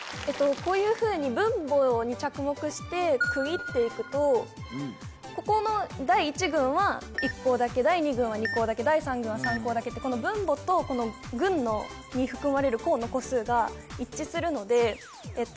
こういうふうに分母に着目して区切っていくとここの第１群は１項だけ第２群は２項だけ第３群は３項だけってこの分母とこの群に含まれる項の個数が一致するのでえと